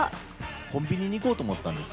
コンビニに行こうと思ったんです。